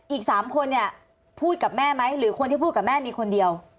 อีก๓คนเนี่ยพูดกับแม่ไหมหรือคนที่พูดกับแม่มีคนเดียว